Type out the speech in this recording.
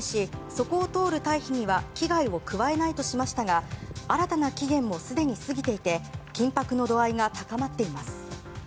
そこを通る退避には危害を加えないとしましたが新たな期限も、すでに過ぎていて緊迫の度合いが高まっています。